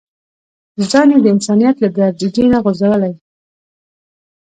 ځان يې د انسانيت له درجې نه غورځولی.